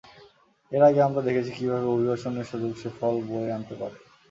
এর আগে আমরা দেখেছি কীভাবে অভিবাসনের সুযোগ সুফল বয়ে আনতে পারে।